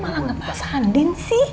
aku malah ngepas andin sih